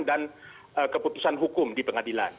dan keputusan hukum di pengadilan